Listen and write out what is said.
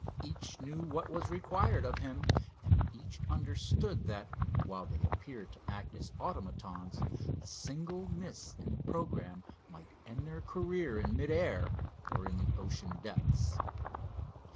Each knew what was required of him, and each understood that, while they appeared to act as automatons, a single miss in the programme might end their career in mid air, or in the ocean depths.